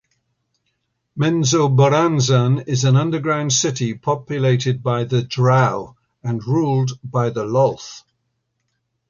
Menzoberranzan is an underground city populated by the drow, and ruled over by Lolth.